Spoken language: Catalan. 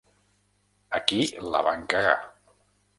Aquí la van cagar.